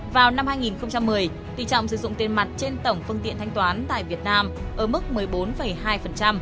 vào năm hai nghìn một mươi tỷ trọng sử dụng tiền mặt trên tổng phương tiện thanh toán tại việt nam ở mức một mươi bốn hai